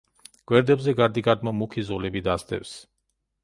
გვერდებზე გარდიგარდმო მუქი ზოლები დასდევს.